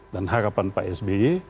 dan harapan pak sby